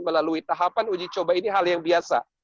melalui tahapan uji coba ini hal yang biasa